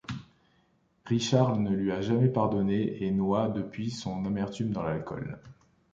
Richard ne lui a jamais pardonné et noie, depuis, son amertume dans l'alcool.